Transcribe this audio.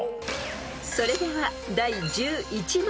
［それでは第１１問］